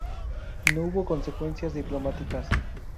No hubo consecuencias diplomáticas.